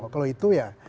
kalau itu ya